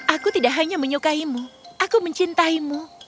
aku tidak hanya menyukaimu aku mencintaimu